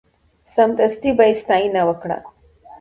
سمدستي به یې ستاینه وکړه.